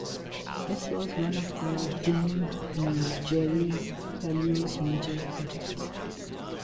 This was one of the then Mayor Jerry Pelayo's major projects.